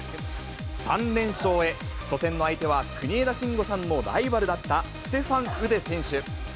３連勝へ、初戦の相手は、国枝慎吾さんのライバルだった、ステファン・ウデ選手。